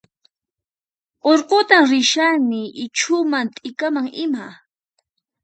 Urqutan rishani ichhuman t'ikaman ima